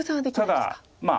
ただまあ